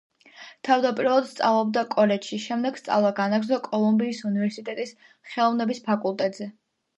თავდაპირველად სწავლობდა კოლეჯში, შემდეგ სწავლა განაგრძო კოლუმბიის უნივერსიტეტის ხელოვნების ფაკულტეტზე.